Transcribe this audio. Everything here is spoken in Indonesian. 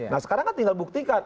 nah sekarang kan tinggal buktikan